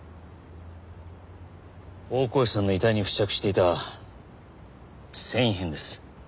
大河内さんの遺体に付着していた繊維片です。